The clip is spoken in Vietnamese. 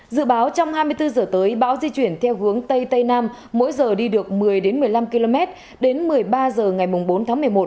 dự báo trong hai mươi bốn h tới bão di chuyển theo hướng tây tây nam mỗi giờ đi được một mươi một mươi năm km đến một mươi ba h ngày bốn tháng một mươi một